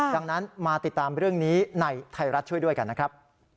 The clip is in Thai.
ดังนั้นมาติดตามเรื่องนี้ในไทยรัฐช่วยด้วยกันนะครับ